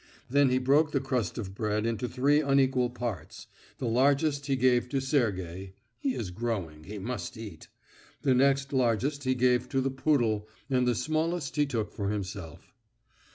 Then he broke the crust of bread into three unequal parts: the largest he gave to Sergey (he is growing he must eat), the next largest he gave to the poodle, and the smallest he took for himself.